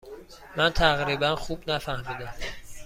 من تقریبا خوب نفهمیدم.